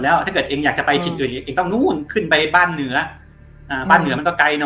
แล้วถามคนที่มันเอาต่อเลี่ยวกัน